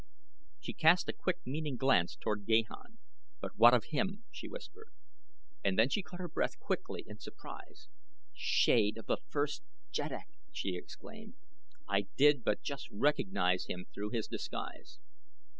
She cast a quick, meaning glance toward Gahan. "But what of him?" she whispered, and then she caught her breath quickly in surprise. "Shade of the first jeddak!" she exclaimed. "I did but just recognize him through his disguise."